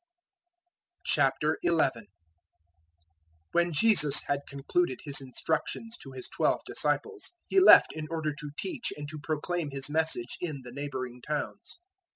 011:001 When Jesus had concluded His instructions to His twelve disciples, He left in order to teach and to proclaim His Message in the neighbouring towns.